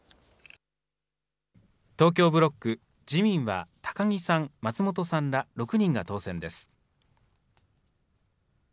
東京ブロック、自民は高木さん、松本さんら６人が当選です。